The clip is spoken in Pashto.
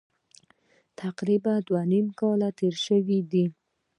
تقریبا دوه نیم کاله تېر شوي دي.